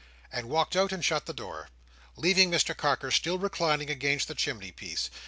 and walked out and shut the door; leaving Mr Carker still reclining against the chimney piece.